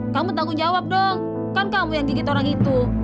kamu tanggung jawab dong kan kamu yang gigit orang itu